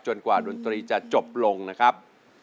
กว่าดนตรีจะจบลงนะครับ